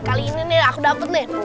kali ini aku dapat nih